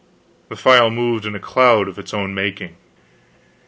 The file moved in a cloud of its own making.